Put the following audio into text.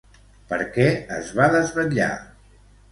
Per què es va desvetllar?